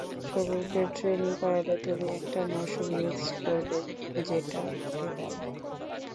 শূকরকে ট্রেনিং করালে তুমি একটা মৌসুম মিস করবে, যেটা মোটেই ভালো হবে না?